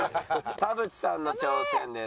田渕さんの挑戦です。